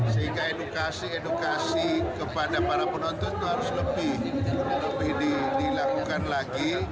sehingga edukasi edukasi kepada para penonton itu harus lebih dilakukan lagi